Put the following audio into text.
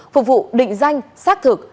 phục vụ định danh xác thực